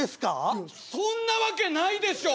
いやそんなわけないでしょ！